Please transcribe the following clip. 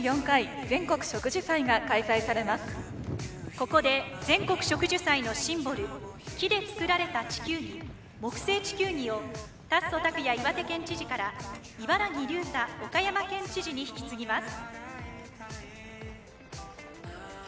ここで全国植樹祭のシンボル木で作られた地球儀木製地球儀を達増拓也岩手県知事から伊原木隆太岡山県知事に引き継ぎます。